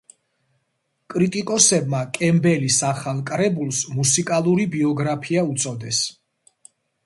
კრიტიკოსებმა კემბელის ახალ კრებულს „მუსიკალური ბიოგრაფია“ უწოდეს.